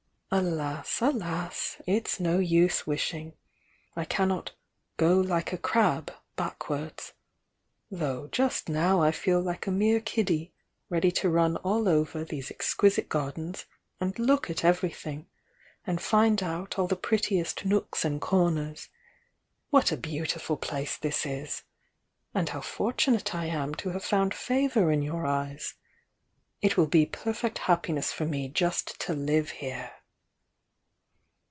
"Alas, alas! it's no use wishing. I cannot 'go like a crab, backwards.' Though just now I feel like a .nere kiddie, ready to run all over these exquisite gardens and look at everything, and find out all the prettiest nooks and corners. What a beautiful place this is! — and how fortunate I am to have found favour in your eyes! It will be perfect hcppiness for me just to live here!"